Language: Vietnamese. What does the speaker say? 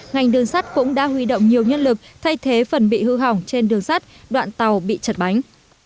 ngành đường sắt cũng đã huy động nhiều nhân lực thay thế phần bị hư hỏng trên đường sắt đoạn tàu bị chật bánh